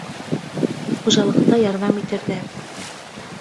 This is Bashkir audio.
Хужалыҡта ярҙам итерҙәр.